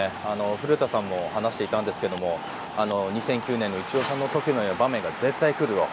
古田さんも話していたんですけど２００９年のイチローさんのような場面が絶対に来ると。